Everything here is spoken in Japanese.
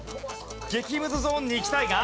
激ムズゾーンに行きたいが。